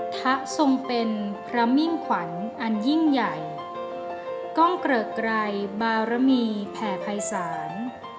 พระทรงเป็นพระมิ่งขวัญอันยิ่งใหญ่กล้องเกริกไกรบารมีแผ่ภัยศาล